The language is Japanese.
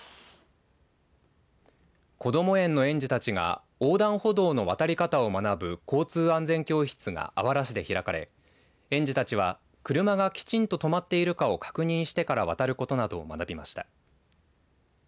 こども園の園児たちが横断歩道の渡り方を学ぶ交通安全教室があわら市で開かれ園児たちは車がきちんととまっているかを確認してから渡ることなどを学びました。